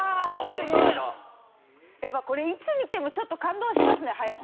やっぱこれいつ見てもちょっと感動しますね早さ。